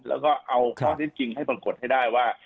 แล้วก็เอาข้อเท็จจริงให้ปรากฏให้ได้ว่า